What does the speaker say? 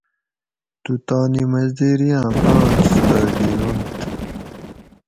تو تانی مزدیریاں پانس دہ گھینونت